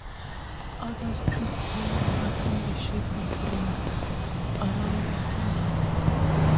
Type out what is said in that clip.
Others twist gold wires in the shape of rings around their fingers.